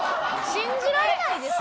信じられないですよ。